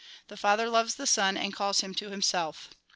The Father loves the Son, and calls him to Him self."